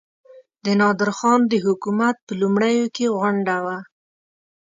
د نادرخان د حکومت په لومړیو کې غونډه وه.